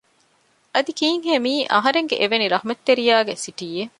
އަދި ކީއްހޭ މިއީ އަހަރެންގެ އެވެނި ރަޙްމަތްރެތިޔާގެ ސިޓީއެއް